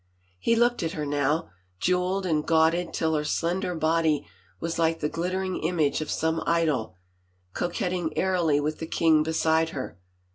He looked at her now, jeweled and gauded till her slender body was like the glittering image of some idol, coquetting airily with the king beside her.